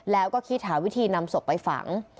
แล้วก็คิดหาวิธีนำศพไปฝัง